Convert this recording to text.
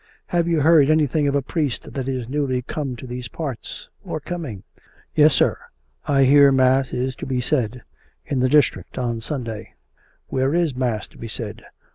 " Have you heard anything of a priest that is newly come to these parts — or coming? "" Yes, sir. I hear mass is to be said ... in the district, on Sunday." " Where is mass to be said